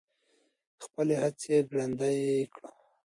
خپلې هڅې ګړندۍ کړو.